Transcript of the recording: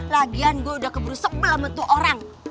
lagian gue udah keburu sepuluh bentuk orang